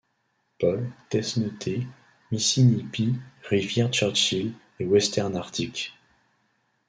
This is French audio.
Paul, Desnethé—Missinippi—Rivière Churchill et Western Arctic.